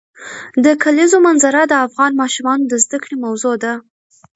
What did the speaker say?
د کلیزو منظره د افغان ماشومانو د زده کړې موضوع ده.